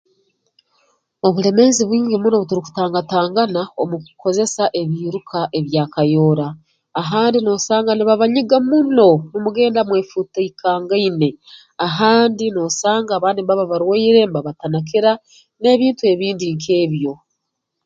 Obulemeezi bwingi muno obu turukutangatangana omu kukozesa ebiiruka ebya kayoora ahandi noosanga nibabanyiga muno numugenda mwefuutiikangaine ahandi noosanga abandi mbaba barwaire mbabatanakira n'ebintu ebindi nk'ebyo